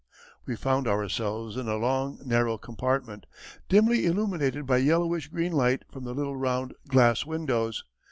_] We found ourselves in a long, narrow compartment, dimly illuminated by yellowish green light from the little round, glass windows.